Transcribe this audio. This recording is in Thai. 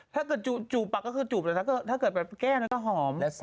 ถ้าเกิดจูบปลั๊กก็คือจูบถ้าเกิดแก้มก็หอม